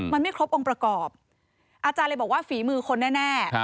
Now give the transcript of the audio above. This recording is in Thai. มันไม่ครบองค์ประกอบอาจารย์เลยบอกว่าฝีมือคนแน่